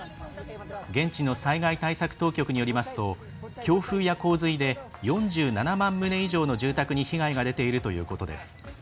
現地の災害対策当局によりますと強風や洪水で４７万棟以上の住宅に被害が出ているということです。